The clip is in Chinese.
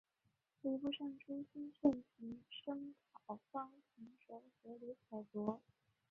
礼部尚书孙慎行声讨方从哲与李可灼。